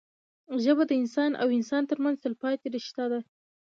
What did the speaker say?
ژبه د انسان او انسان ترمنځ تلپاتې رشته ده